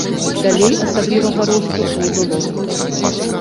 Далей асаблівага росту не было.